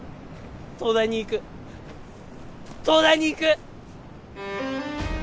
東大に行く東大に行く！